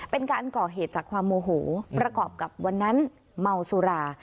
เป็นการก่อเหตุจากความโมโหประกอบกับวันนั้นเมาสุรา